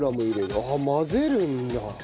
あっ混ぜるんだ。